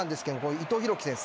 伊藤洋輝選手